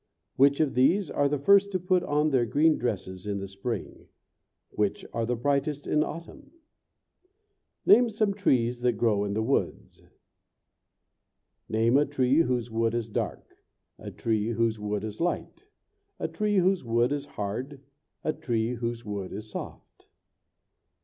Which of these are the first to put on their green dresses in the spring? Which are the brightest in autumn? Name some trees that grow in the woods. [Illustration: A SHADY STREET.] Name a tree whose wood is dark. A tree whose wood is light. A tree whose wood is hard. A tree whose wood is soft.